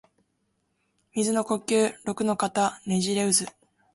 水の呼吸陸ノ型ねじれ渦（ろくのかたねじれうず）